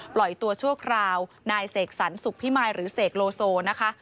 ตัวชั่วคราวนายเสกสรรสุขพิมายหรือเสกโลโซนะคะ